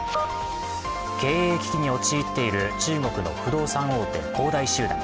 経営危機に陥っている中国の不動産大手恒大集団。